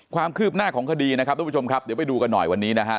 ความคืบหน้าของคดีนะครับทุกผู้ชมครับเดี๋ยวไปดูกันหน่อยวันนี้นะครับ